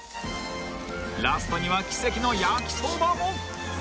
［ラストには奇跡の焼きそばも］